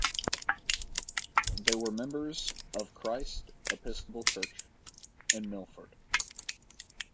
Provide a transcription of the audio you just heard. They were members of Christ Episcopal Church in Milford.